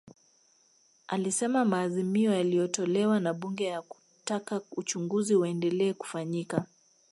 Alisema maazimio yaliyotolewa na Bunge ya kutaka uchunguzi uendelee kufanyika